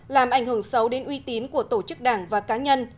làm ảnh hưởng xấu đến uy tín của tổ chức đảng và cá nhân